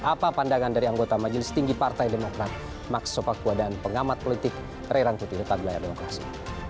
apa pandangan dari anggota majelis tinggi partai demokrat max sopakua dan pengamat politik rerang kutir tabi layar demokrasi